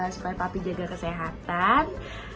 supaya papi jaga kesehatan